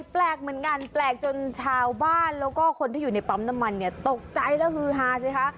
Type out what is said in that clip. แปลกเหมือนกันแปลกจนชาวบ้านแล้วก็คนที่อยู่ในปั๊มน้ำมันเนี่ยตกใจแล้วฮือฮาสิคะ